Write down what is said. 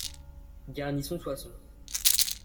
Garnison Soissons.